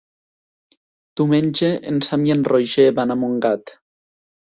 Diumenge en Sam i en Roger van a Montgat.